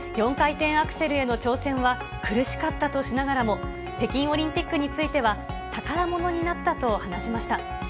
４回転アクセルへの挑戦は苦しかったとしながらも、北京オリンピックについては、宝物になったと話しました。